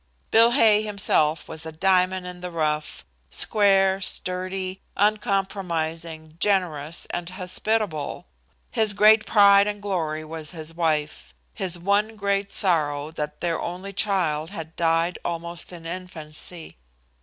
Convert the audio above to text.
Bill Hay himself was a diamond in the rough, square, sturdy, uncompromising, generous and hospitable; his great pride and glory was his wife; his one great sorrow that their only child had died almost in infancy.